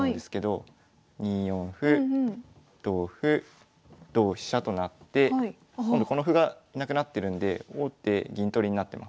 ２四歩同歩同飛車となって今度この歩がなくなってるんで王手銀取りになってます。